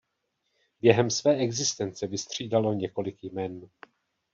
Během své existence vystřídalo několik jmen.